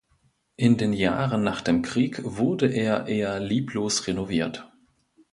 In den Jahren nach dem Krieg wurde er eher lieblos renoviert.